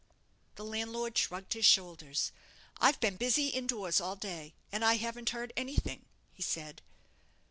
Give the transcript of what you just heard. The landlord shrugged his shoulders. "I've been busy in doors all day, and I haven't heard anything," he said.